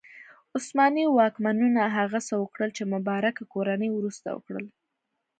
عثماني واکمنانو هغه څه وکړل چې مبارک کورنۍ وروسته وکړل.